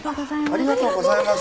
ありがとうございます。